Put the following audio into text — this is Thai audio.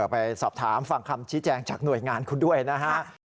ไปสอบถามฟังคำชี้แจงจากหน่วยงานคุณด้วยนะฮะ